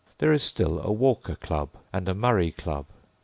There is still a Walker Club and a Murray Club.